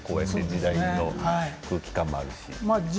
時代と空気感もあるし。